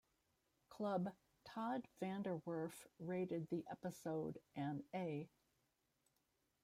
Club" Todd VanDerWerff rated the episode an "A".